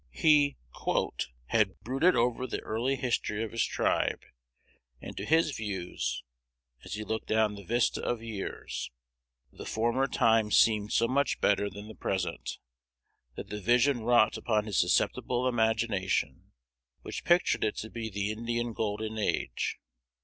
He "had brooded over the early history of his tribe; and to his views, as he looked down the vista of years, the former times seemed so much better than the present, that the vision wrought upon his susceptible imagination, which pictured it to be the Indian golden age.